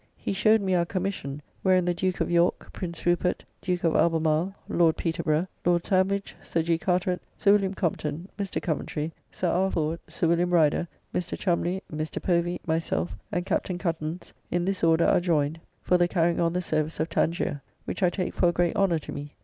He showed me our commission, wherein the Duke of York, Prince Rupert, Duke of Albemarle, Lord Peterborough, Lord Sandwich, Sir G. Carteret, Sir William Compton, Mr. Coventry, Sir R. Ford, Sir William Rider, Mr. Cholmley, Mr. Povy, myself, and Captain Cuttance, in this order are joyned for the carrying on the service of Tangier, which I take for a great honour to me.